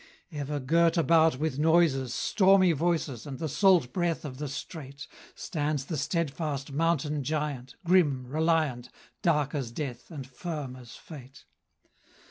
Ever girt about with noises, Stormy voices, And the salt breath of the Strait, Stands the steadfast Mountain Giant, Grim, reliant, Dark as Death, and firm as Fate.